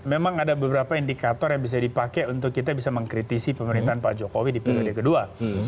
memang ada beberapa indikator yang bisa dipakai untuk kita bisa mengkritisi pemerintahan pak jokowi di periode kedua